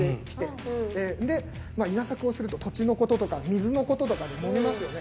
で稲作をすると土地のこととか水のこととかでもめますよね。